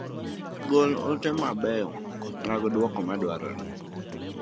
Gol ote ma beyo mag duoko ma dwarore.